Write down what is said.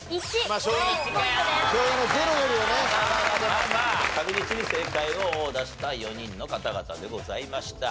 まあまあ確実に正解を出した４人の方々でございました。